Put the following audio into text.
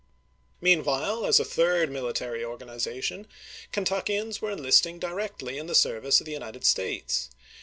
Meanwhile, as a third military organization, Kentuckians were enlisting directly in the service of the United States.